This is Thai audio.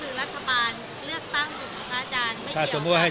รัฐบาลเลือกตั้งถุงอาจารย์โว้ยเหมือนเนี่ย